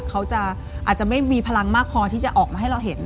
เขาจะอาจจะไม่มีพลังมากพอที่จะออกมาให้เราเห็น